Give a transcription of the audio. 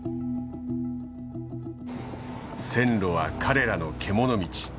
線路は彼らの獣道。